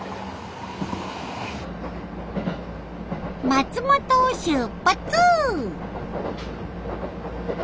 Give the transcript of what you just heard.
松本を出発！